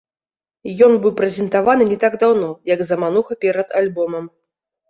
Ён быў прэзентаваны не так даўно, як замануха перад альбомам.